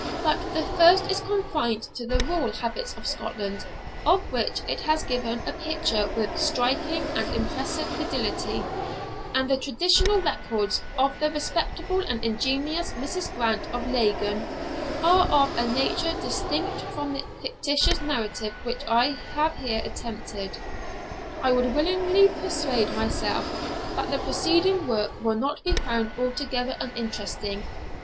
But the first is confined to the rural habits of Scotland, of which it has given a picture with striking and impressive fidelity; and the traditional records of the respectable and ingenious Mrs. Grant of Laggan are of a nature distinct from the fictitious narrative which I have here attempted. I would willingly persuade myself that the preceding work will not be found altogether uninteresting.